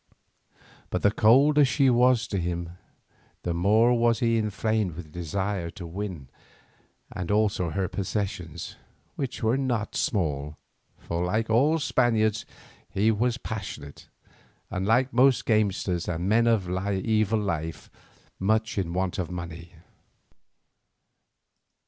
But the colder she was to him, the more was he inflamed with desire to win her and also her possessions, which were not small, for like all Spaniards he was passionate, and like most gamesters and men of evil life, much in want of money.